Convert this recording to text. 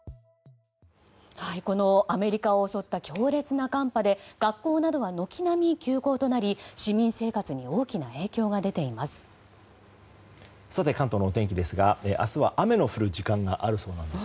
このアメリカを襲った強烈な寒波で学校などは軒並み休校となり市民生活に大きな影響が出ています。